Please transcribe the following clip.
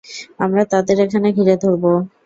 আমরা তাদের এখানে ঘিরে ধরবো।